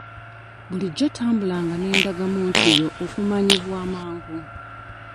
Bulijjo tambulanga n'endagamuntu yo okumanyibwa amangu.